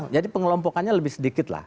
jadi pengelompokannya lebih sedikit lah